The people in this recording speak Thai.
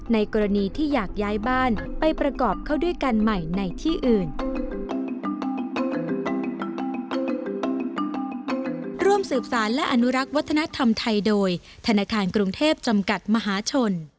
ในกรณีที่อยากย้ายบ้านไปประกอบเข้าด้วยกันใหม่ในที่อื่น